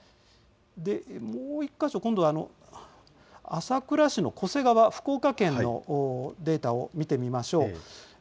もう１か所、朝倉市の巨瀬川、福岡県のデータを見てみましょう。